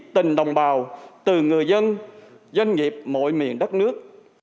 tình đồng bào từng người dân doanh nghiệp mọi miền đất nước